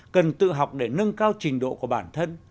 cần tự học để nâng cao trình độ của bản thân